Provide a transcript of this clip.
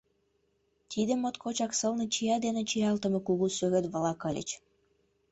Тиде моткочак сылне чия дене чиялтыме кугу сӱрет-влак ыльыч.